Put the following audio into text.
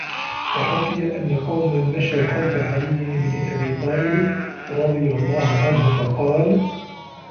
وَحُكِيَ أَنَّ قَوْمًا مَشَوْا خَلْفَ عَلِيِّ بْنِ أَبِي طَالِبٍ رَضِيَ اللَّهُ عَنْهُ فَقَالَ